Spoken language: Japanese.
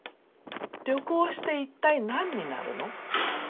旅行していったい何になるの？